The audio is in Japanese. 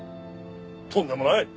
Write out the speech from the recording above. とんでもない！